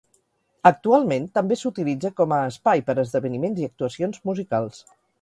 Actualment també s'utilitza com a espai per a esdeveniments i actuacions musicals.